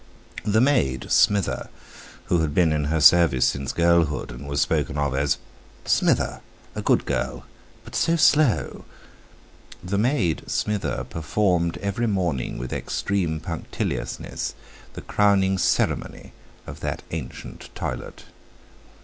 The maid Smither, who had been in her service since girlhood, and was spoken of as "Smither—a good girl—but so slow!"—the maid Smither performed every morning with extreme punctiliousness the crowning ceremony of that ancient toilet.